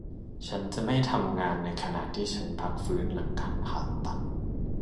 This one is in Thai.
ฉันจะไม่ทำงานในขณะที่ฉันพักฟื้นหลังการผ่าตัด